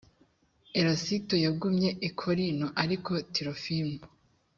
erasito yagumye i korinto ariko tirofimo